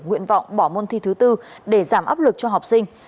nguyện vọng bỏ môn thi thứ bốn để giảm áp lực cho học sinh